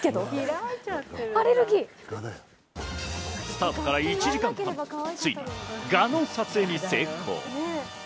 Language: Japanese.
スタートから１時間半、ついに蛾の撮影に成功。